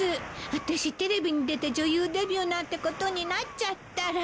私テレビに出て女優デビューなんてことになっちゃったら。